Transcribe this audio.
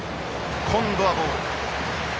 今度はボール。